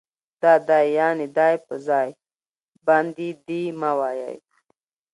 دا دی يعنې دے په ځای باندي دي مه وايئ